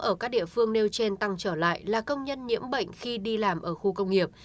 ở các địa phương nêu trên tăng trở lại là công nhân nhiễm bệnh khi đi làm ở khu công nghiệp